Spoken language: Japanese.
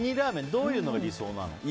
どういうのが理想なの？